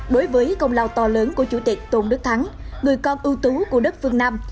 đối với công lao to lớn của chủ tịch tôn đức thắng người con ưu tú của đất phương nam